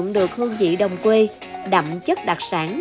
được hương vị đông quê đậm chất đặc sản